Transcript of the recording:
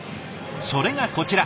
それがこちら。